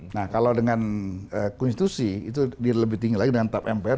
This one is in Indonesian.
nah kalau dengan konstitusi itu lebih tinggi lagi dengan tap mpr